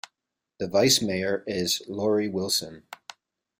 The Vice Mayor is Lori Wilson.